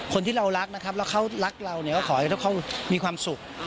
คนที่เรารักนะครับแล้วเขารักเราเนี่ยก็ขอให้เขามีความสุข